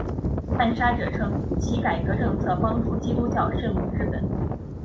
暗杀者称其改革政策帮助基督教渗入日本。